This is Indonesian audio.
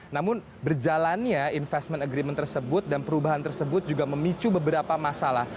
namun berjalannya investment agreement tersebut dan perubahan tersebut juga memicu beberapa masalah